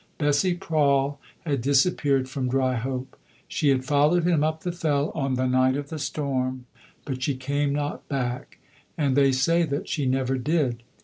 Bessie Prawle had disappeared from Dryhope. She had followed him up the fell on the night of the storm, but she came not back. And they say that she never did.